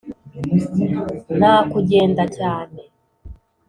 nta kugenda cyane,